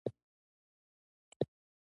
فشار پر پاکستان واچوي.